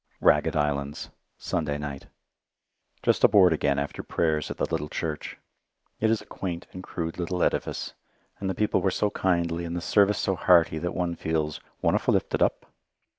Ragged Islands Sunday night Just aboard again after Prayers at the little church. It is a quaint and crude little edifice, and the people were so kindly and the service so hearty that one feels "wonderfu' lifted up."